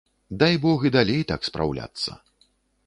Дай бог і далей так спраўляцца!